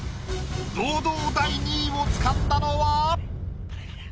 堂々第２位をつかんだのは？